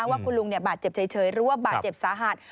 ว่าคุณลุงบาดเจ็บเฉยหรือว่าบาดเจ็บสาหัส